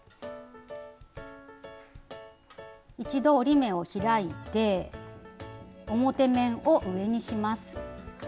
一度折り目を開いて表面を上にします。